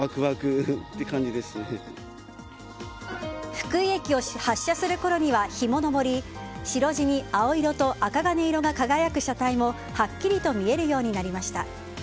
福井駅を発車するころには日も昇り白地に青色とあかがね色が輝く車体もはっきりと見えるようになりました。